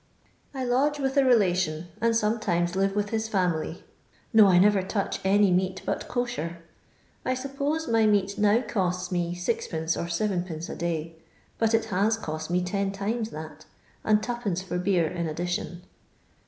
I lodge with a relation, and sometimes lira with his family. No, I ncTer tooch any meat but ' Coshar.' I suppose my meat now costs me 6<i. or 7<<. a day, but it has cost me ten times that and %L for beer in addition."